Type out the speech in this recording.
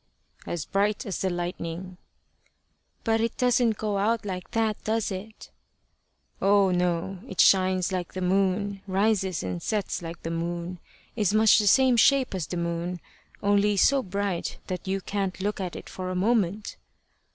"As bright as the lightning." "But it doesn't go out like that, does it?" "Oh, no. It shines like the moon, rises and sets like the moon, is much the same shape as the moon, only so bright that you can't look at it for a moment."